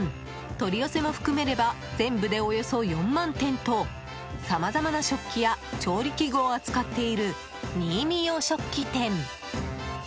取り寄せも含めれば全部でおよそ４万点とさまざまな食器や調理器具を扱っているニイミ洋食器店。